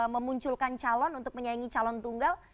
memunculkan calon untuk menyaingi calon tunggal